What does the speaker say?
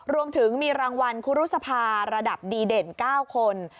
รวมถึงมีรางวัลคุรุษภาระดับดีเด่น๙คน